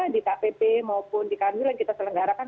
di kpp maupun di kandil yang kita selenggarakan